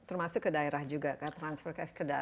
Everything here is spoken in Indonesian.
termasuk ke daerah juga kan transfer ke daerah